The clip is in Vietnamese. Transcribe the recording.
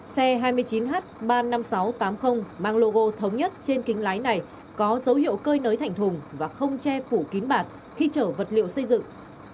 xe hai mươi chín h ba mươi năm nghìn sáu trăm tám mươi mang logo thống nhất trên kính lái này có dấu hiệu cơi nới thành thùng và không che phủ kín bạt khi chở vật liệu xây dựng